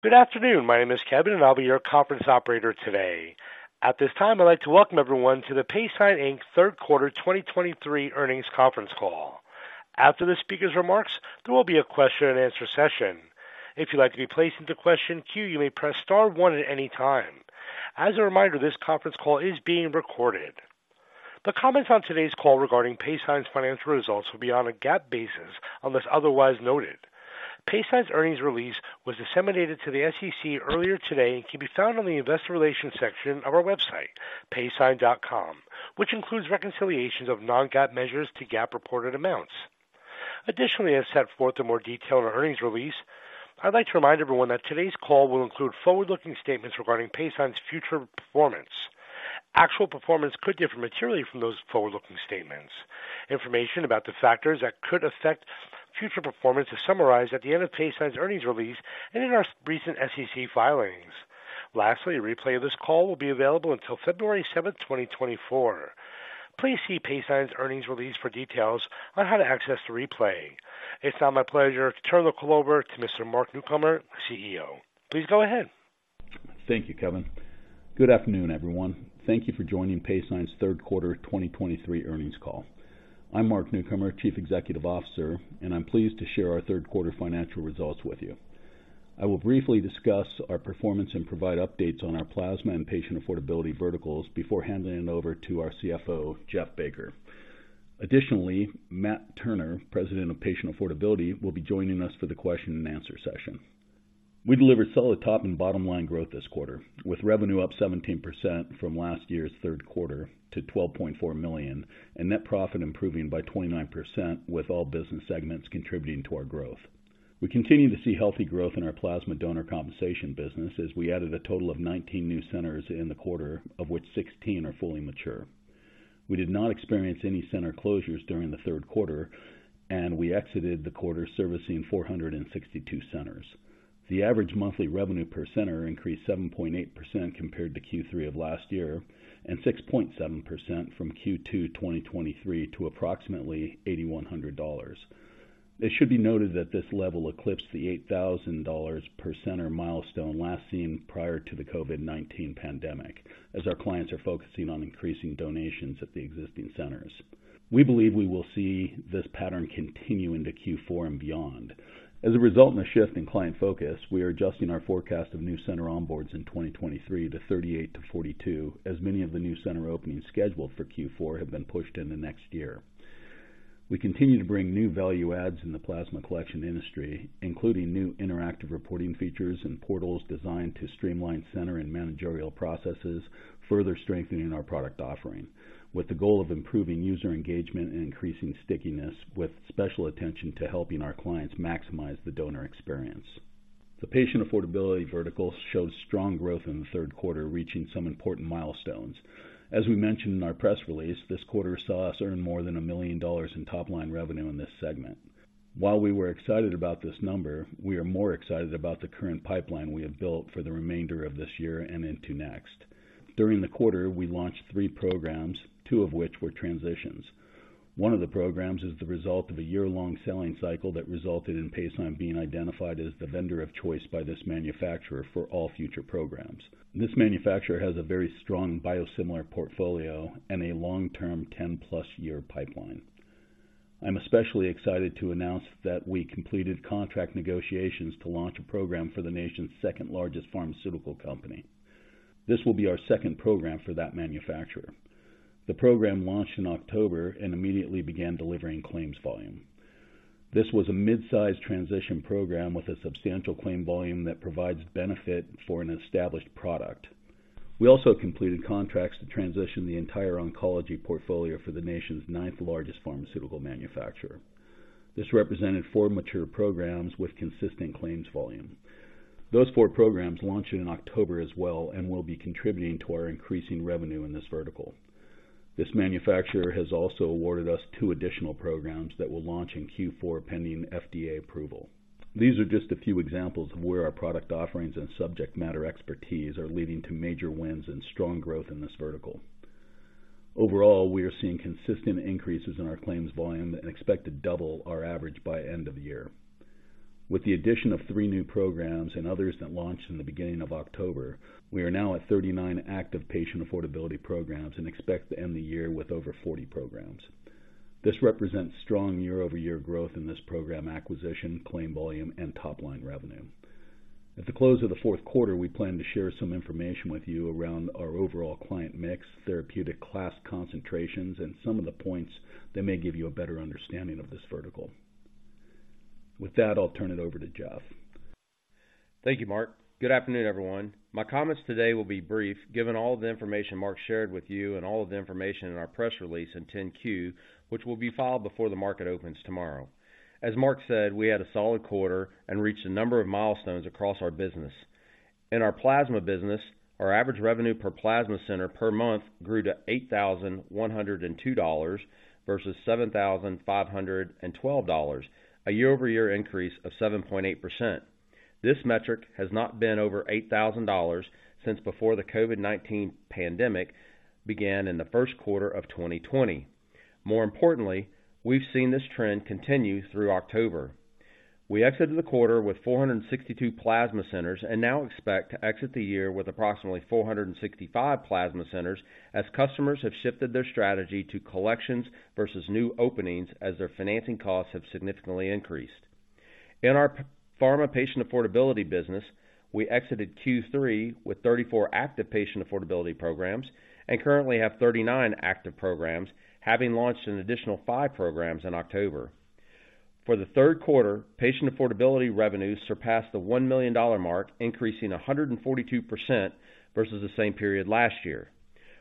Good afternoon. My name is Kevin, and I'll be your conference operator today. At this time, I'd like to welcome everyone to the Paysign, Inc. Third Quarter 2023 Earnings Conference Call. After the speaker's remarks, there will be a question-and-answer session. If you'd like to be placed into question queue, you may press star one at any time. As a reminder, this conference call is being recorded. The comments on today's call regarding Paysign's financial results will be on a GAAP basis, unless otherwise noted. Paysign's earnings release was disseminated to the SEC earlier today and can be found on the Investor Relations section of our website, paysign.com, which includes reconciliations of non-GAAP measures to GAAP reported amounts. Additionally, as set forth in more detail in our earnings release, I'd like to remind everyone that today's call will include forward-looking statements regarding Paysign's future performance. Actual performance could differ materially from those forward-looking statements. Information about the factors that could affect future performance is summarized at the end of Paysign's earnings release and in our recent SEC filings. Lastly, a replay of this call will be available until February seventh, twenty twenty-four. Please see Paysign's earnings release for details on how to access the replay. It's now my pleasure to turn the call over to Mr. Mark Newcomer, CEO. Please go ahead. Thank you, Kevin. Good afternoon, everyone. Thank you for joining Paysign's third quarter 2023 earnings call. I'm Mark Newcomer, Chief Executive Officer, and I'm pleased to share our third quarter financial results with you. I will briefly discuss our performance and provide updates on our Plasma and Patient Affordability verticals before handing it over to our CFO, Jeff Baker. Additionally, Matt Turner, President of Patient Affordability, will be joining us for the question-and-answer session. We delivered solid top and bottom line growth this quarter, with revenue up 17% from last year's third quarter to $12.4 million, and net profit improving by 29%, with all business segments contributing to our growth. We continue to see healthy growth in our plasma donor compensation business as we added a total of 19 new centers in the quarter, of which 16 are fully mature. We did not experience any center closures during the third quarter, and we exited the quarter servicing 462 centers. The average monthly revenue per center increased 7.8% compared to Q3 of last year and 6.7% from Q2 2023 to approximately $8,100. It should be noted that this level eclipsed the $8,000 per center milestone last seen prior to the COVID-19 pandemic, as our clients are focusing on increasing donations at the existing centers. We believe we will see this pattern continue into Q4 and beyond. As a result of the shift in client focus, we are adjusting our forecast of new center onboards in 2023 to 38-42, as many of the new center openings scheduled for Q4 have been pushed into next year. We continue to bring new value adds in the plasma collection industry, including new interactive reporting features and portals designed to streamline center and managerial processes, further strengthening our product offering, with the goal of improving user engagement and increasing stickiness, with special attention to helping our clients maximize the donor experience. The Patient Affordability vertical showed strong growth in the third quarter, reaching some important milestones. As we mentioned in our press release, this quarter saw us earn more than $1 million in top-line revenue in this segment. While we were excited about this number, we are more excited about the current pipeline we have built for the remainder of this year and into next. During the quarter, we launched three programs, two of which were transitions. One of the programs is the result of a year-long selling cycle that resulted in Paysign being identified as the vendor of choice by this manufacturer for all future programs. This manufacturer has a very strong biosimilar portfolio and a long-term, 10+ year pipeline. I'm especially excited to announce that we completed contract negotiations to launch a program for the nation's second-largest pharmaceutical company. This will be our second program for that manufacturer. The program launched in October and immediately began delivering claims volume. This was a mid-size transition program with a substantial claim volume that provides benefit for an established product. We also completed contracts to transition the entire oncology portfolio for the nation's ninth-largest pharmaceutical manufacturer. This represented four mature programs with consistent claims volume. Those four programs launched in October as well and will be contributing to our increasing revenue in this vertical. This manufacturer has also awarded us 2 additional programs that will launch in Q4, pending FDA approval. These are just a few examples of where our product offerings and subject matter expertise are leading to major wins and strong growth in this vertical. Overall, we are seeing consistent increases in our claims volume and expect to double our average by end of year. With the addition of 3 new programs and others that launched in the beginning of October, we are now at 39 active patient affordability programs and expect to end the year with over 40 programs. This represents strong year-over-year growth in this program acquisition, claim volume, and top-line revenue. At the close of the fourth quarter, we plan to share some information with you around our overall client mix, therapeutic class concentrations, and some of the points that may give you a better understanding of this vertical. With that, I'll turn it over to Jeff. Thank you, Mark. Good afternoon, everyone. My comments today will be brief, given all of the information Mark shared with you and all of the information in our press release and 10-Q, which will be filed before the market opens tomorrow. As Mark said, we had a solid quarter and reached a number of milestones across our business. In our Plasma business, our average revenue per plasma center per month grew to $8,102 versus $7,512, a year-over-year increase of 7.8%. This metric has not been over $8,000 since before the COVID-19 pandemic began in the first quarter of 2020. More importantly, we've seen this trend continue through October. We exited the quarter with 462 plasma centers and now expect to exit the year with approximately 465 plasma centers, as customers have shifted their strategy to collections versus new openings as their financing costs have significantly increased. ...In our Pharma Patient Affordability business, we exited Q3 with 34 active patient affordability programs and currently have 39 active programs, having launched an additional five programs in October. For the third quarter, patient affordability revenues surpassed the $1 million mark, increasing 142% versus the same period last year.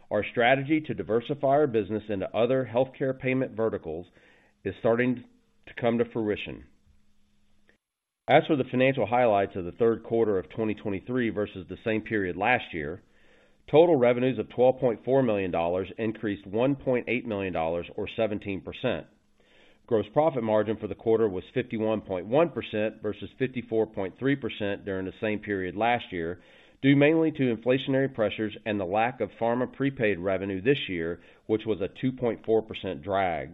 Our strategy to diversify our business into other healthcare payment verticals is starting to come to fruition. As for the financial highlights of the third quarter of 2023 versus the same period last year, total revenues of $12.4 million increased $1.8 million or 17%. Gross profit margin for the quarter was 51.1% versus 54.3% during the same period last year, due mainly to inflationary pressures and the lack of pharma prepaid revenue this year, which was a 2.4% drag.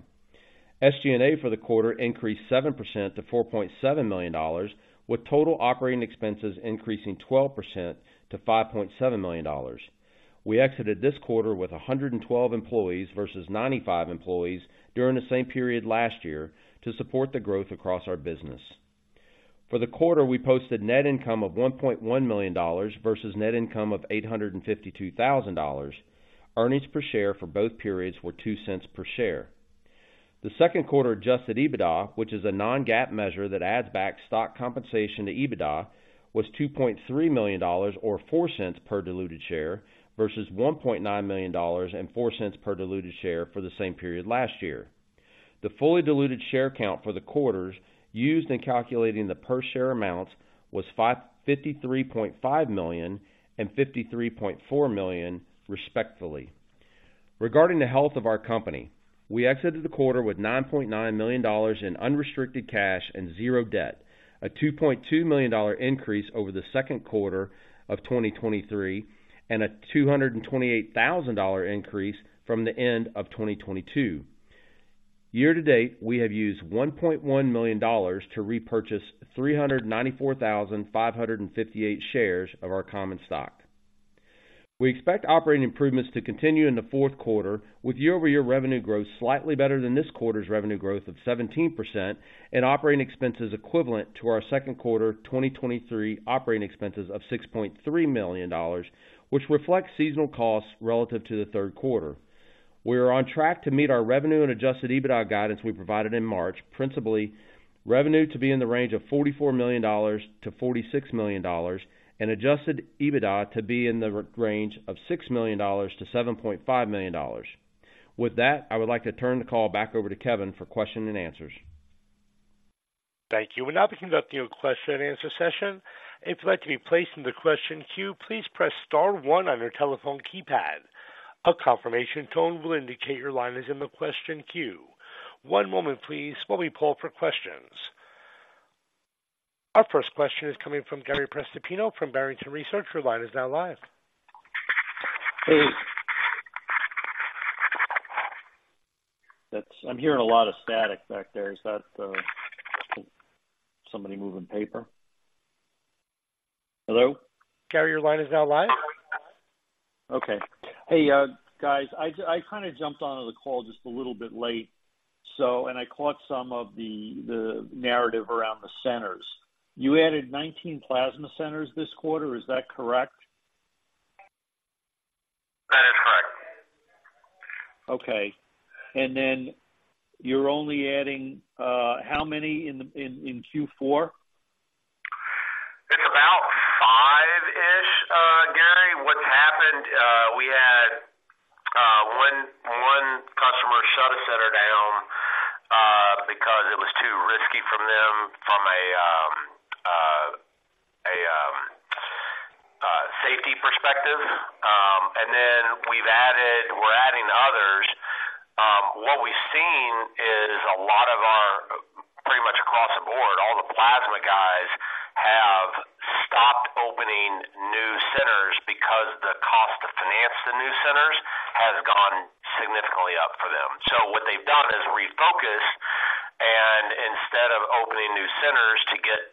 SG&A for the quarter increased 7% - $4.7 million, with total operating expenses increasing 12% - $5.7 million. We exited this quarter with 112 employees versus 95 employees during the same period last year to support the growth across our business. For the quarter, we posted net income of $1.1 million versus net income of $852,000. Earnings per share for both periods were $0.02 per share. The second quarter adjusted EBITDA, which is a non-GAAP measure that adds back stock compensation to EBITDA, was $2.3 million or $0.04 per diluted share, versus $1.9 million and $0.04 per diluted share for the same period last year. The fully diluted share count for the quarters used in calculating the per share amounts was 53.5 million and 53.4 million, respectively. Regarding the health of our company, we exited the quarter with $9.9 million in unrestricted cash and zero debt, a $2.2 million increase over the second quarter of 2023, and a $228,000 increase from the end of 2022. Year to date, we have used $1.1 million to repurchase 394,558 shares of our common stock. We expect operating improvements to continue in the fourth quarter, with year-over-year revenue growth slightly better than this quarter's revenue growth of 17% and operating expenses equivalent to our second quarter 2023 operating expenses of $6.3 million, which reflects seasonal costs relative to the third quarter. We are on track to meet our revenue and Adjusted EBITDA guidance we provided in March, principally, revenue to be in the range of $44 million-$46 million and Adjusted EBITDA to be in the range of $6 million-$7.5 million. With that, I would like to turn the call back over to Kevin for question and answers. Thank you. We'll now be conducting a question and answer session. If you'd like to be placed in the question queue, please press star one on your telephone keypad. A confirmation tone will indicate your line is in the question queue. One moment please while we poll for questions. Our first question is coming from Gary Prestopino from Barrington Research. Your line is now live. Hey, that's. I'm hearing a lot of static back there. Is that somebody moving paper? Hello? Gary, your line is now live. Okay. Hey, guys, I kind of jumped onto the call just a little bit late, so I caught some of the narrative around the centers. You added 19 plasma centers this quarter. Is that correct? That is correct. Okay, and then you're only adding how many in Q4? It's about five-ish, Gary. What's happened, we had one customer shut a center down because it was too risky from them from a safety perspective. And then we've added - we're adding others. What we've seen is a lot of our, pretty much across the board, all the plasma guys have stopped opening new centers because the cost to finance the new centers has gone significantly up for them. So what they've done is refocus, and instead of opening new centers to get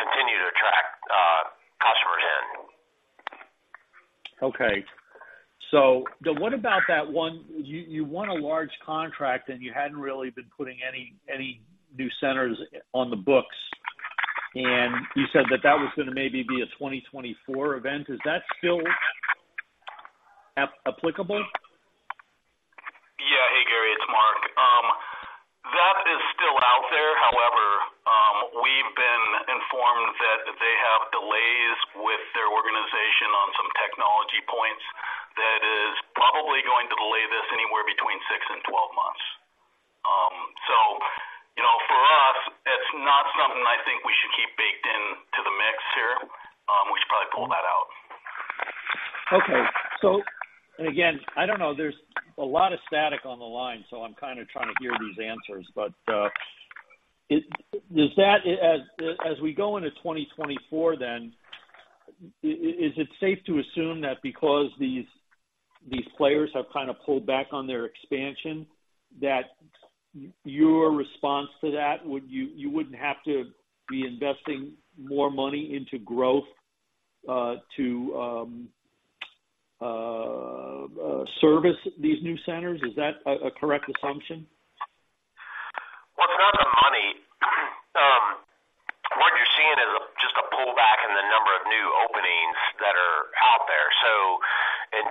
to the number of liters that they need, they are increasing their payouts to attract - continue to attract customers in. Okay. So what about that one? You won a large contract and you hadn't really been putting any new centers on the books, and you said that was gonna maybe be a 2024 event. Is that still applicable? Yeah. Hey, Gary, it's Mark. That is still out there. However, we've been informed that they have delays with their organization on some technology points that is probably going to delay this anywhere between 6 and 12 months. So, you know, for us, it's not something I think we should keep baked into the mix here. We should probably poll that out. Okay. So again, I don't know, there's a lot of static on the line, so I'm kinda trying to hear these answers, but is that as we go into 2024 then, is it safe to assume that because these players have kind of pulled back on their expansion, that... Your response to that, would you, you wouldn't have to be investing more money into growth to service these new centers? Is that a correct assumption? Well, it's not the money. What you're seeing is just a pullback in the number of new openings that are out there. So in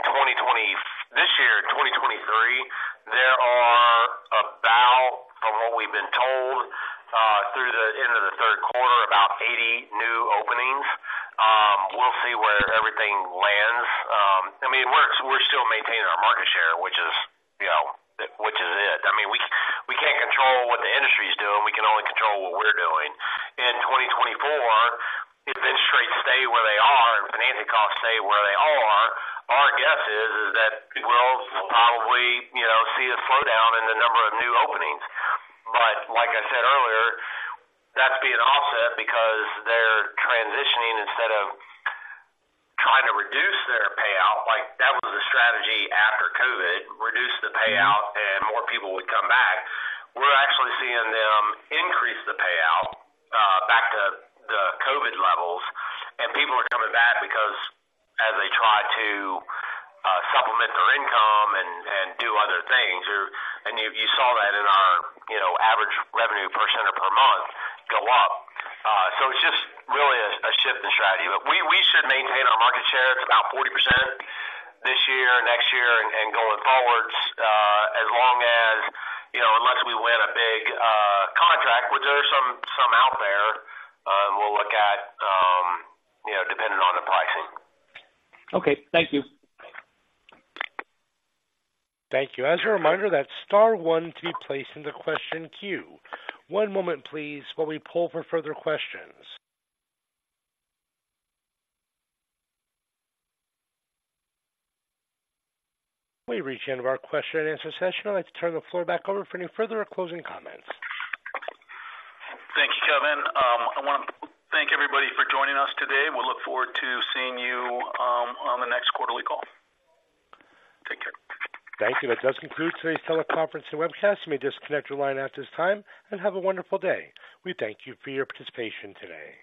this year, 2023, there are about, from what we've been told, through the end of the third quarter, about 80 new openings. We'll see where everything lands. I mean, we're still maintaining our market share, which is, you know, which is it. I mean, we can't control what the industry is doing. We can only control what we're doing. In 2024, if interest rates stay where they are and financing costs stay where they are, our guess is, is that we'll probably, you know, see a slowdown in the number of new openings. But like I said earlier, that's being offset because they're transitioning instead of trying to reduce their payout. Like, that was the strategy after COVID, reduce the payout and more people would come back. We're actually seeing them increase the payout back to the COVID levels, and people are coming back because as they try to supplement their income and do other things, and you saw that in our, you know, average revenue per center per month go up. So it's just really a shift in strategy. But we should maintain our market share. It's about 40% this year, next year, and going forwards, as long as, you know, unless we win a big contract, which there are some out there, we'll look at, you know, depending on the pricing. Okay. Thank you. Thank you. As a reminder, that's star one to be placed into question queue. One moment please while we pull for further questions. We've reached the end of our question and answer session. I'd like to turn the floor back over for any further or closing comments. Thank you, Kevin. I want to thank everybody for joining us today. We'll look forward to seeing you on the next quarterly call. Take care. Thank you. That does conclude today's teleconference and webcast. You may disconnect your line at this time, and have a wonderful day. We thank you for your participation today.